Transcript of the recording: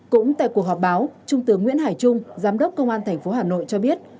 cũng tại cuộc họp báo trung tướng nguyễn hải trung giám đốc công an tp hà nội cho biết